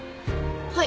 はい。